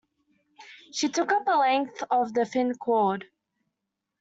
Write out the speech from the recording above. She took up a length of the thin cord.